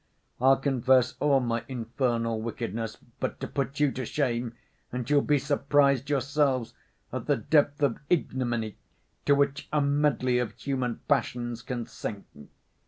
I'll confess all my infernal wickedness, but to put you to shame, and you'll be surprised yourselves at the depth of ignominy to which a medley of human passions can sink.